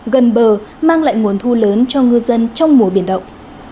gần bờ mang lại nguồn thu lớn cho ngư dân trong mùa biển động